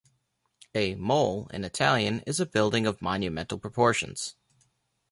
A "mole" in Italian is a building of monumental proportions.